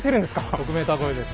６ｍ超えです。